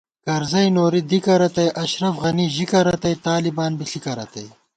کرزَئی نوری دِکہ رتئ ، اشرَف غنی ژِکہ رتئ، طالِبان بی ݪِکہ رتئ